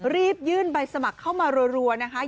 รีบยื่นใบสมัครเข้ามารวย